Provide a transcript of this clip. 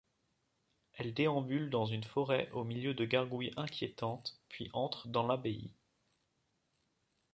Elle déambule dans une forêt au milieu de gargouilles inquiétantes, puis entre dans l'abbaye.